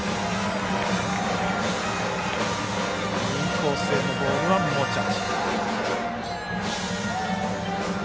インコースへのボールが持ち味。